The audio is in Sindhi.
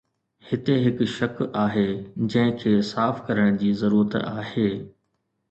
هتي هڪ شڪ آهي جنهن کي صاف ڪرڻ جي ضرورت آهي.